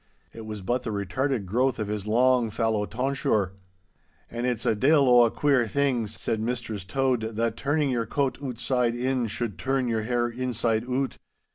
It was but the retarded growth of his long fallow tonsure. 'An' it's a de'il o' a queer thing,' said Mistress Tode, 'that turning your coat ootside in should turn your hair inside oot!